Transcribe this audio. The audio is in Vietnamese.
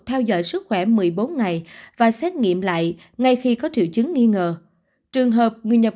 theo dõi sức khỏe một mươi bốn ngày và xét nghiệm lại ngay khi có triệu chứng nghi ngờ trường hợp người nhập